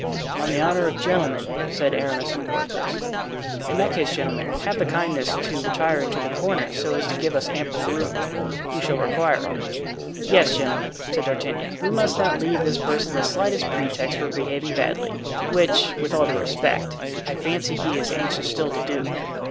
"On the honor of gentlemen," said Aramis and Porthos. "In that case, gentlemen, have the kindness to retire into the corners, so as to give us ample room. We shall require it." "Yes, gentlemen," said D'Artagnan, "we must not leave this person the slightest pretext for behaving badly, which, with all due respect, I fancy he is anxious still to do."